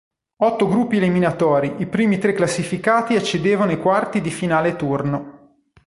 Otto gruppi eliminatori i primi tre classificati accedevano ai quarti di finale turno.